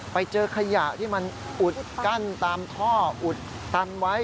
ไปเจอขยะที่มันอุดกั้นตามท่ออุดตันไว้